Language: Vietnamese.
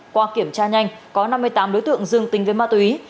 qua kiểm tra nhanh có năm mươi tám đối tượng dương tình với ma túy